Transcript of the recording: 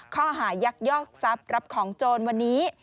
ข้อหายักยอกทรัพย์รับของโจรวันนี้